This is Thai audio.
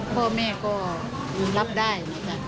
พ่อแม่ก็รับได้